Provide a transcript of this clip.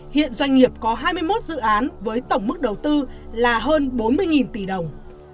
hiện doanh nghiệp có hai mươi một dự án với tổng mức đầu tư là hơn bốn mươi tỷ đồng